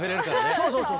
そうそうそう。